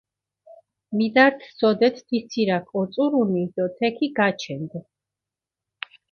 მიდართჷ სოდეთ თი ცირაქ ოწურუნი დო თექი გაჩენდჷ.